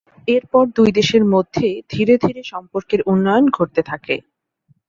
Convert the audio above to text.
এরপর থেকে দুই দেশের মধ্যে ধীরে ধীরে সম্পর্কের উন্নয়ন ঘটতে থাকে।